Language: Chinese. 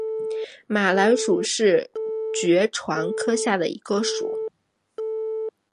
马蓝属是爵床科下的一个属。